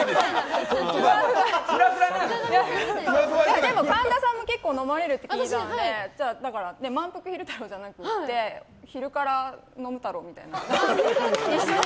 でも、神田さんも結構飲まれるって聞いたのでだからまんぷく昼太郎じゃなくて昼から飲み太郎みたいな。